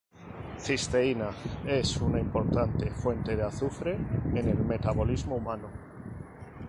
Cisteína es una importante fuente de azufre en el metabolismo humano.